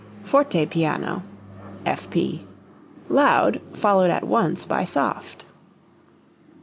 Forte piano (fp) loud, followed at once by soft.